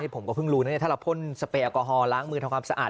ผมก็เพิ่งรู้นะถ้าเราพ่นสเปรยแอลกอฮอลล้างมือทำความสะอาด